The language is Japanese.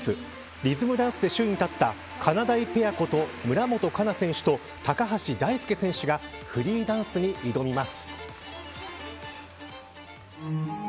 リズムダンスで首位に立ったかなだいペアこと村元哉中選手と高橋大輔選手がフリーダンスに挑みます。